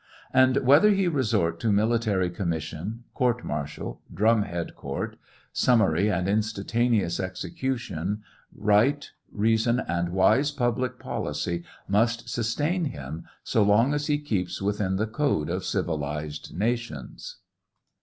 And whether he resort to military commission, court martial, drumhead court, summary and instantaneous execu tion, right, reason, and wise public policy must sustain him so long as he keeps within the code of civilized nations.